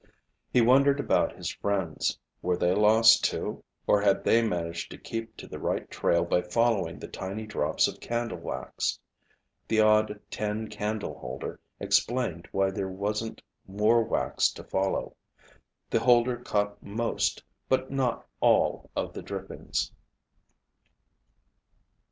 He wondered about his friends. Were they lost, too? Or had they managed to keep to the right trail by following the tiny drops of candle wax? The odd tin candleholder explained why there wasn't more wax to follow. The holder caught most, but not all of the drippings.